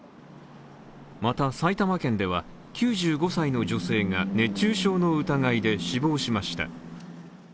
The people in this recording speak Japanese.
また埼玉県では９５歳の女性が熱中症の疑いで死亡しました。